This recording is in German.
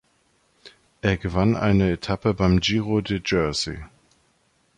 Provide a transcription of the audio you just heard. Er gewann eine Etappe beim Giro de Jersey.